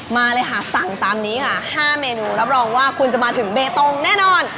มาเลยค่ะสั่งตามนี้ค่ะ๕เมนูรับรองว่าคุณจะมาถึงเบตงแน่นอน